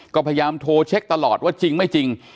ก็พยายามโทรเช็คตลอดว่าจริงไม่จริง